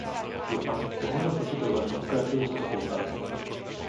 Dúfam, že môžem počítať s vašou pokračujúcou spoluprácou.